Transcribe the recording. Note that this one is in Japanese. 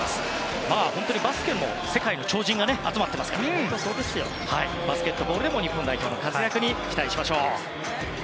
本当にバスケも世界の超人が集まっていますからバスケットボールでも日本代表の活躍に期待しましょう。